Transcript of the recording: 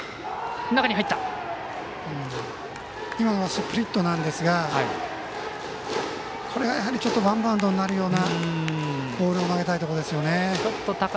今のはスプリットなんですがこれがやはりワンバウンドになるようなボールを投げたいところですね。